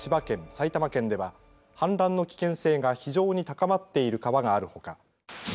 埼玉県では氾濫の危険性が非常に高まっている川があるほか。